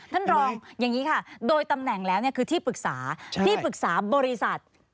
ท่านรองอย่างนี้ค่ะโดยตำแหน่งแล้วคือที่ปรึกษาที่ปรึกษาบริษัท